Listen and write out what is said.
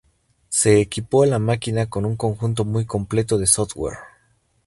Se equipó a la máquina con un conjunto muy completo de software.